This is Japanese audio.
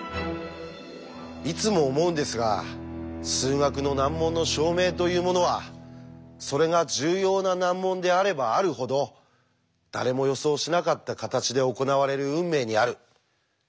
いつも思うんですが数学の難問の証明というものはそれが重要な難問であればあるほど誰も予想しなかった形で行われる運命にあるそんな気がしてなりません。